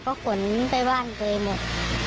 ก็ขนไปบ้านตัวเองหมด